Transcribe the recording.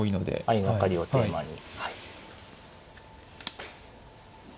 相掛かりをテーマに。